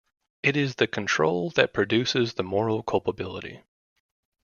It is the control that produces the moral culpability.